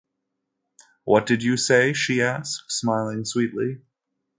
“What did you say?” she asked, smiling sweetly.